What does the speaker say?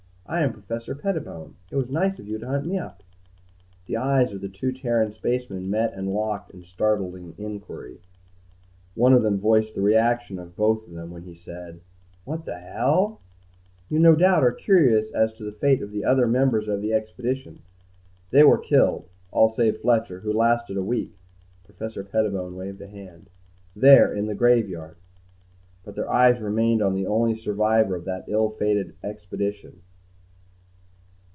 I am Professor Pettibone. It was nice of you to hunt me up." The eyes of the two Terran spacemen met and locked in startled inquiry. One of them voiced the reaction of both when he said, "What the hell " "You no doubt are curious as to the fate of the other members of the expedition. They were killed, all save Fletcher, who lasted a week." Professor Pettibone waved a hand. "There in the graveyard." But their eyes remained on the only survivor of that ill fated first expedition.